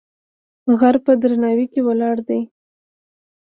غر په درناوی کې ولاړ دی.